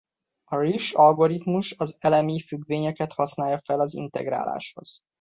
A Risch-algoritmus az elemi függvényeket használja fel az integráláshoz.